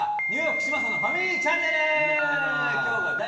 ニューヨーク嶋佐のファミリーチャンネル！